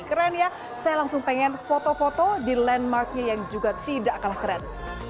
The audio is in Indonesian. keren ya saya langsung pengen foto foto di landmarknya yang juga tidak kalah keren